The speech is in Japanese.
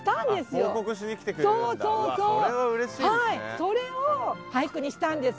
それを俳句にしたんです。